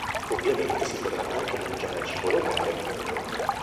Ovviamente si potrà anche mangiare cibo locale o non.